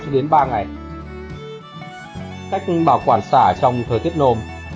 cách bảo quản xả trong thời tiết nôm